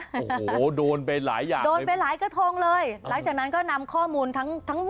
โฮโหโดนไปหลายอย่าง